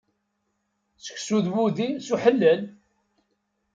Sseksu d wudi, s uḥellel!